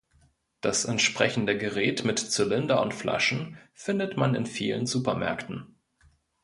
Das entsprechende Gerät mit Zylinder und Flaschen findet man in vielen Supermärkten.